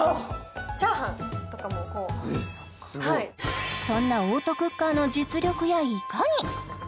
チャーハンとかも・えっすごいそんなオートクッカーの実力やいかに？